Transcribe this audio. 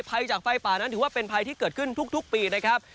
ภัยจากไฟป่านั้นถือว่าเป็นภัยที่เกิดขึ้นทุกปีนะครับ